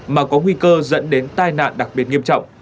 mà có nguy cơ dẫn đến tai nạn đặc biệt nghiêm trọng